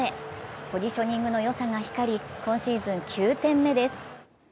ポジショニングのよさが光り、今シーズン９点目です。